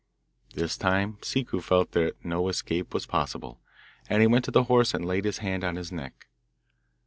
This time Ciccu felt that no escape was possible, and he went to the horse and laid his hand on his neck.